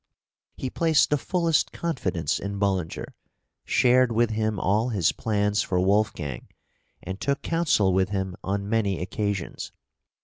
He placed the fullest confidence in Bullinger, shared with him all his plans for Wolfgang, and took counsel with him on many occasions.